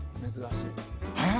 え？